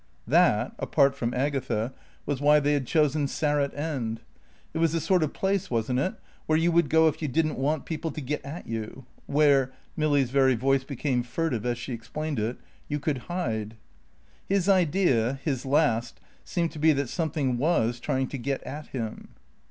That apart from Agatha was why they had chosen Sarratt End. It was the sort of place wasn't it? where you would go if you didn't want people to get at you, where (Milly's very voice became furtive as she explained it) you could hide. His idea his last seemed to be that something was trying to get at him.